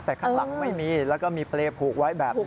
แต่ข้างหลังไม่มีแล้วก็มีเปรย์ผูกไว้แบบนี้